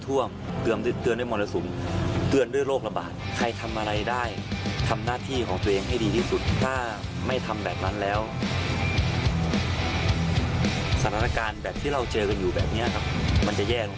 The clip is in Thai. ตบมือให้เลยนะคะจริงแล้วต้องบอกอย่างนี้ยังสามารถบริจาคร่วมกับตัวได้อยู่นะคะ